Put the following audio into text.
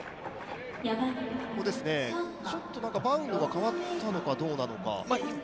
バウンドが変わったのかどうなのか。